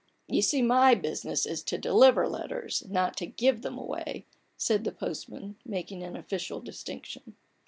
you see my business is to deliver Utters, not to give them away/' said the postman, making an official distinction.